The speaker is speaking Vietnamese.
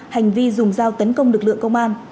hành vi dùng dao tấn công lực lượng công an